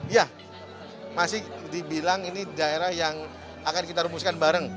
ya masih dibilang ini daerah yang akan kita rumuskan bareng